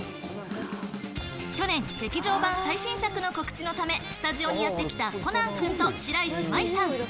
去年、劇場版最新作の告知のため、スタジオにやってきたコナン君と白石麻衣さん。